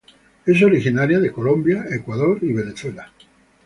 Es originaria de Colombia, Ecuador, y Venezuela.